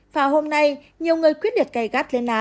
và hôm nay nhiều người quyết định cay gắt